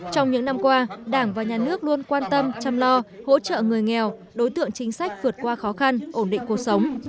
trong những năm qua đảng và nhà nước luôn quan tâm chăm lo hỗ trợ người nghèo đối tượng chính sách vượt qua khó khăn ổn định cuộc sống